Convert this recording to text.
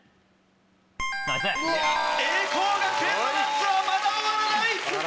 栄光学園の夏はまだ終わらない！